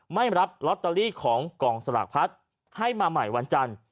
ไม่รับลอตเตอรี่ของกองสลากพัดให้มาใหม่วันจันทร์